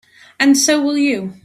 And so will you.